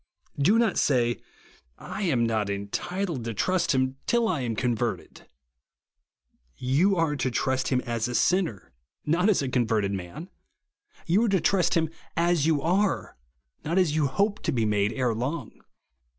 Do not say I am not entitled to trust him till I am converted. You are to trust him as a sinner, not as a converted man; 88 THE WORD OF THE YoLi arc to trust him as you are, not as you hope to be made ere long.